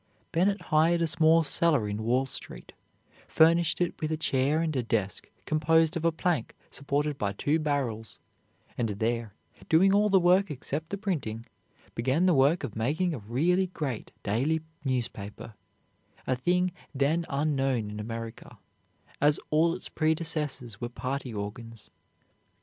Bennet hired a small cellar in Wall Street, furnished it with a chair and a desk composed of a plank supported by two barrels; and there, doing all the work except the printing, began the work of making a really great daily newspaper, a thing then unknown in America, as all its predecessors were party organs.